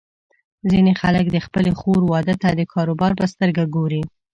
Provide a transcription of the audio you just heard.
ځینې خلک د خپلې خور واده ته د کاروبار په سترګه ګوري.